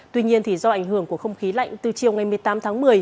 tuy nhiên do ảnh hưởng của không khí lạnh từ chiều ngày một mươi tám tháng một mươi